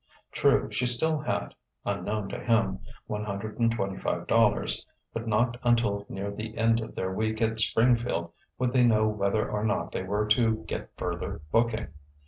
True, she still had (unknown to him) one hundred and twenty five dollars; but not until near the end of their week at Springfield would they know whether or not they were to get further booking.